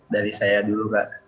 dari saya dulu kak